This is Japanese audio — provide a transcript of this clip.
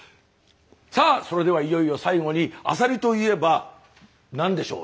さあそれではいよいよ最後にアサリといえば何でしょう？